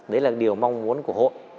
đấy là điều mong muốn của hội